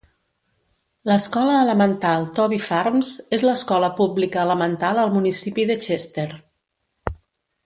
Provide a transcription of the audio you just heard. L'escola Elemental Toby Farms és l'escola pública elemental al municipi de Chester.